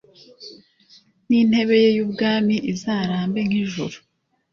n'intebe ye y'ubwami izarambe nk'ijuru